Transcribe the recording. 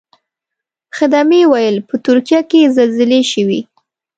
خدمې ویل په ترکیه کې زلزلې شوې.